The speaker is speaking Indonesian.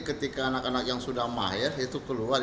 ketika anak anak yang sudah mahir itu keluar